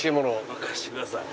任せてください。